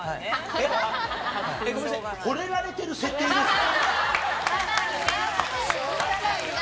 えっ？ごめんなさい、ほれられてる設定ですか？